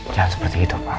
jangan seperti itu pak